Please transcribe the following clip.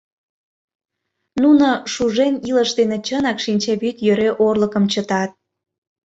Нуно шужен илыш дене чынак шинчавӱд йӧре орлыкым чытат.